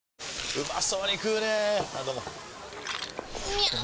うまそうに食うねぇあどうもみゃう！！